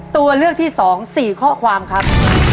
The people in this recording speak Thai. ตัวเลือกที่๒๔ข้อความครับ